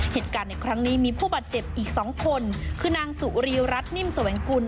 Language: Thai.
เหตุการณ์ในครั้งนี้มีผู้บาดเจ็บอีกสองคนคือนางสุรีรัฐนิ่มแสวงกุล